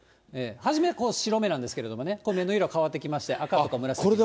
初め、白目なんですけどもね、これ、目の色変わってきまして、赤と紫。